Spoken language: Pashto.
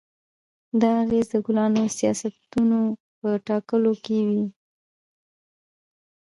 دا اغېز د کلانو سیاستونو په ټاکلو کې وي.